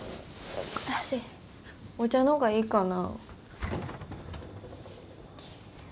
お茶の方がいいかな？